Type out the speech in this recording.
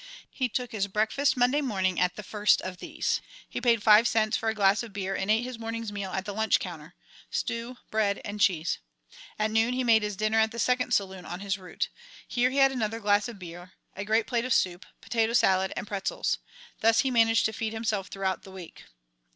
He took his breakfast Monday morning at the first of these. He paid five cents for a glass of beer and ate his morning's meal at the lunch counter: stew, bread, and cheese. At noon he made his dinner at the second saloon on his route. Here he had another glass of beer, a great plate of soup, potato salad, and pretzels. Thus he managed to feed himself throughout the week.